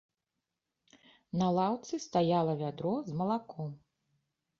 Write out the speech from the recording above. На лаўцы стаяла вядро з малаком.